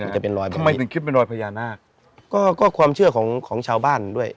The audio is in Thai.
ทำไมถึงเป็นรอยพญานาคก็ความเชื่อของชาวบ้านด้วย